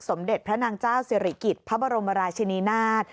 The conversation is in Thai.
สมเด็จพระนางเจ้าสิริกิจพระบรมราชินีนาฏ